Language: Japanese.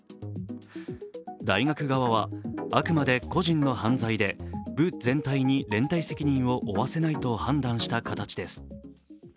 大学側は、あくまで個人の犯罪で、部全体に連帯責任を負わせないと判断した形です。